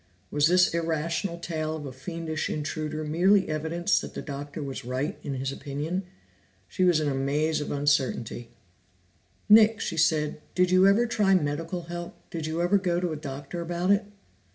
Was this irrational tale of a fiendish intruder merely evidence that the Doctor was right in his opinion? She was in a maze of uncertainty. "Nick," she said, "did you ever try medical help? Did you ever go to a doctor about it?"